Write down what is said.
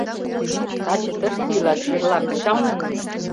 Таче тыште илат, эрла кычал нуным.